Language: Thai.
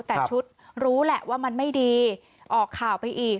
แต่ชุดรู้แหละว่ามันไม่ดีออกข่าวไปอีก